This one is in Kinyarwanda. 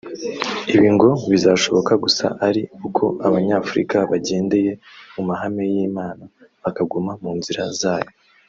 Ibi ngo bizashoboka gusa ari uko abanyafurika bagendeye mu mahame y’Imana bakaguma mu nzira zayo